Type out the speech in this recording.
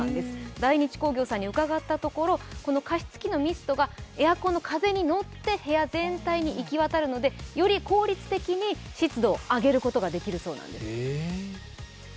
ダイニチ工業さんに伺ったところ加湿器のミストがエアコンの風にのって部屋全体に行き渡るのでより効率的に湿度を上げることができるそうです。